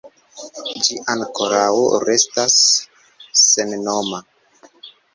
Ĝi ankoraŭ restas sennoma.